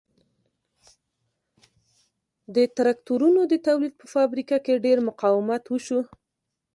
د ترکتورونو د تولید په فابریکه کې ډېر مقاومت وشو